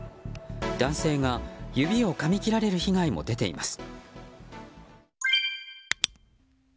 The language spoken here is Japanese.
男性が指をかみ切られる被害も出ています。